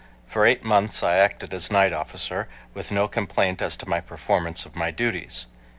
For eight months I acted as night officer, with no complaint as to my performance of my duties.